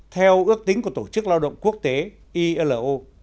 theo ước tính của tổ chức lao động quốc tế ilo